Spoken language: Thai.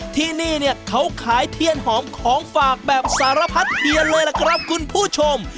ที่นี่เนี่ยเขาขายเทียนหอมของฝากแบบสารพัดเทียนเลยล่ะครับคุณผู้ชม